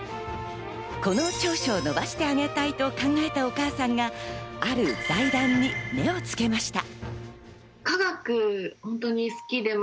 この長所を伸ばしてあげたいと考えたお母さんがある財団に目をつけました。